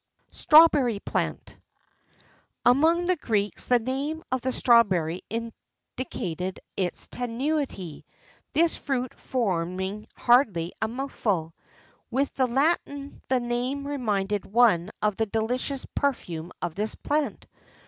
STRAWBERRY PLANT. Among the Greeks the name of the strawberry indicated its tenuity, this fruit forming hardly a mouthful. With the Latins the name reminded one of the delicious perfume of this plant.